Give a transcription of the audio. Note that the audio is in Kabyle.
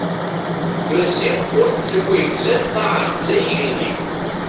Maziɣ ur t-tewwi la lqaɛa la igenni.